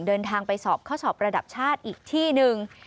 เดินทางไปสอบข้อสอบระดับชาติอีกที่หนึ่ง